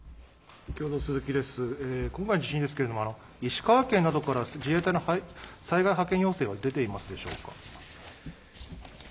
今回の地震ですけれども、石川県などから自衛隊の災害派遣要請は出ていますでしょうか。